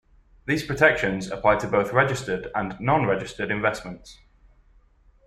These protections apply to both registered and non-registered investments.